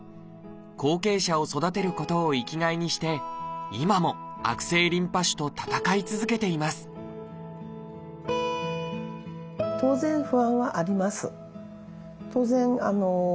後継者を育てることを生きがいにして今も悪性リンパ腫と闘い続けていますチョイス！